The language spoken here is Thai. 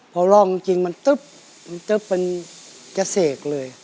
เพราะรองจริงมันต๊ึ๊บมันต๊ึ๊บเป็นจะเสกเลย